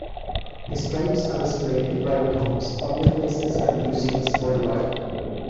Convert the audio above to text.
His stripes are displayed in private homes, public places, and museums worldwide.